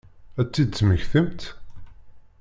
Ad t-id-temmektimt?